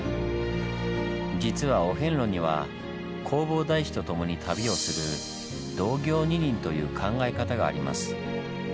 実はお遍路には弘法大師と共に旅をする「同行二人」という考え方があります。